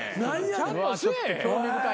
ちゃんとせえ。